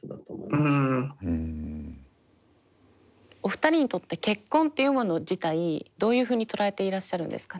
お二人にとって結婚っていうもの自体どういうふうに捉えていらっしゃるんですかね？